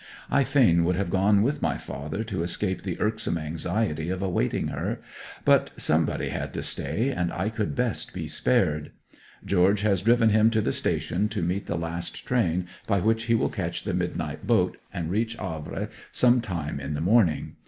I fain would have gone with my father to escape the irksome anxiety of awaiting her; but somebody had to stay, and I could best be spared. George has driven him to the station to meet the last train by which he will catch the midnight boat, and reach Havre some time in the morning.